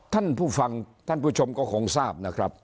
ท่านผู้ฟังท่านผู้ชมก็คงทราบนะครับ